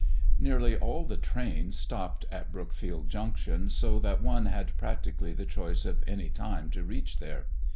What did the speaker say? Nearly all the trains stopped at Brookfield Junction, so that one had practically the choice of any time to reach there.